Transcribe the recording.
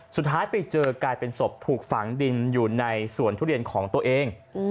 สุดท้ายไปเจอกลายเป็นศพถูกฝังดินอยู่ในสวนทุเรียนของตัวเอง